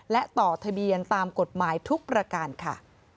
และต่อทะเบียนตามกฎหมายทุกประการค่ะ